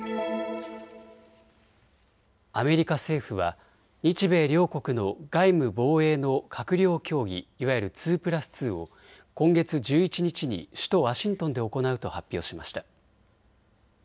アメリカ政府は日米両国の外務・防衛の閣僚協議いわゆる２プラス２を今月１１日に首都ワシントンで行うと発表しました。